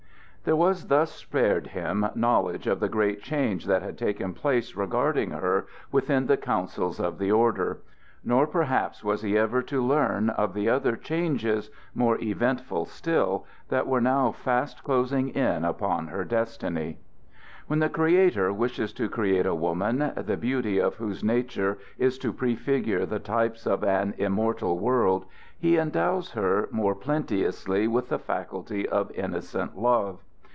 XI. There was thus spared him knowledge of the great change that had taken place regarding her within the counsels of the Order; nor, perhaps, was he ever to learn of the other changes, more eventful still, that were now fast closing in upon her destiny. When the Creator wishes to create a woman, the beauty of whose nature is to prefigure the types of an immortal world, he endows her more plenteously with the faculty of innocent love.